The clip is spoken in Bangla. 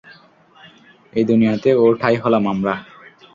এই দুনিয়াতে ওর ঠাই হলাম আমরা।